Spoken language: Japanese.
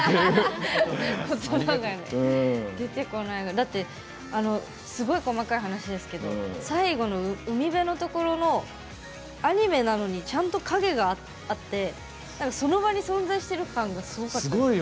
だってすごい細かい話ですけど最後の海辺のところのアニメなのにちゃんと影があってその場に存在してる感がすごかった。